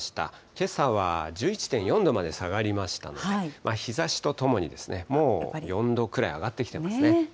けさは１１．４度まで下がりましたので、日ざしとともに、もう４度くらい上がってきてますね。